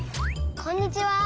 こんにちは。